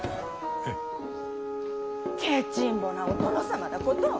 けちんぼなお殿様だこと。